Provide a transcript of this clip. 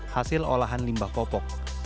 hasil olahan limbah popok